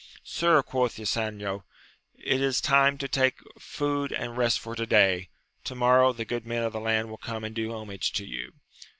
Sir, quoth Ysanjo, it is time to take food and rest for to day : to morrow, the good men of the land will come and do homage to you.